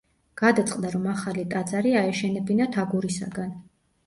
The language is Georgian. გადაწყდა, რომ ახალი ტაძარი აეშენებინათ აგურისაგან.